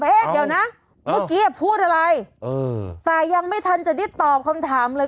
เดี๋ยวนะเมื่อกี้พูดอะไรแต่ยังไม่ทันจะได้ตอบคำถามเลย